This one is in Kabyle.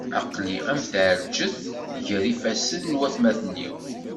Aql-i am tɛelǧet gar yifassen n watmaten-iw.